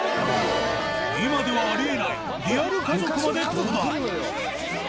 今ではあり得ないリアル家族まで登壇。